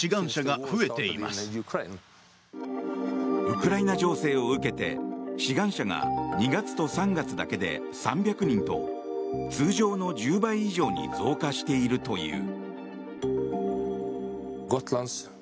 ウクライナ情勢を受けて志願者が２月と３月だけで３００人と通常の１０倍以上に増加しているという。